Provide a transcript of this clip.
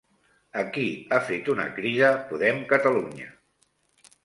A qui ha fet una crida Podem Catalunya?